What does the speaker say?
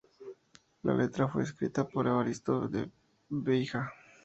La letra fue escrita por Evaristo da Veiga.